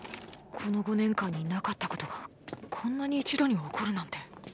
この５年間になかったことがこんなに一度に起こるなんて。